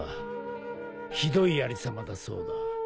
ひどいありさまだそうだ。